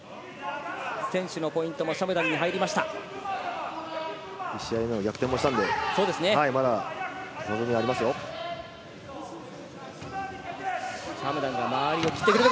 先取のポイントもシャムダンに入りました。